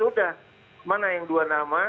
udah mana yang dua nama